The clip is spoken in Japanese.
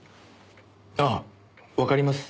あっわかります？